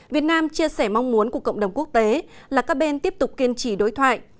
việt nam chia sẻ mong muốn của cộng đồng quốc tế là các bên tiếp tục kiên trì đối thoại